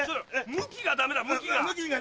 向きがダメだ向きが。